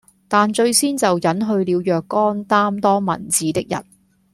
但最先就隱去了若干擔當文字的人，